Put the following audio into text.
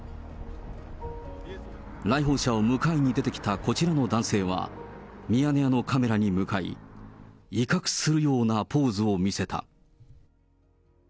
来訪者を迎えに出てきたこちらの男性は、ミヤネ屋のカメラに向かい、威嚇するようなポーズを見せた。